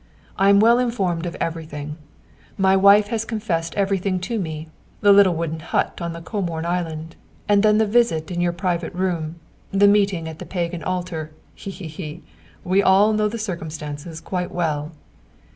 I am well informed of everything. My wife has confessed everything to me: the little wooden hut on the Comorn island, and then the visit in your private room, the meeting at the Pagan Altar.... He, he, he! we know all the circumstances quite well!"